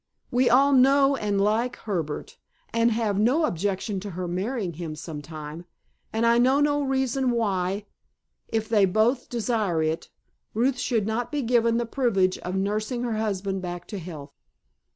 We all know and like Herbert, and have no objection to her marrying him sometime, and I know no reason why, if they both desire it, Ruth should not be given the privilege of nursing her husband back to health."